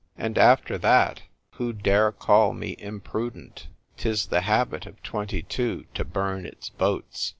And after that, who dare call me imprudent ? 'Tis the habit of twenty two to burn its boats.